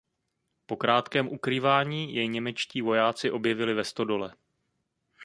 Po krátkém ukrývání jej němečtí vojáci objevili ve stodole.